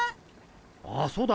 あっそうだ。